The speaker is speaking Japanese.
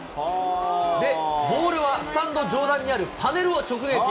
で、ボールはスタンド上段にあるパネルを直撃。